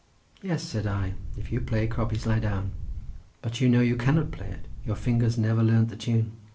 "Yes," said I, "if you play 'Croppies Lie Down': but you know you cannot play it, your fingers never learned the tune."